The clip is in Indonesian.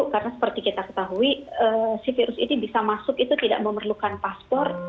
karena seperti kita ketahui si virus ini bisa masuk itu tidak memerlukan paspor